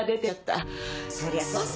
そりゃそうさ。